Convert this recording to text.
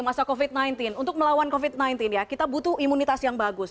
masa covid sembilan belas untuk melawan covid sembilan belas ya kita butuh imunitas yang bagus